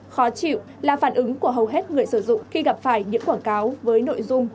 khó chịu là phản ứng của hầu hết người sử dụng khi gặp phải những quảng cáo với nội dung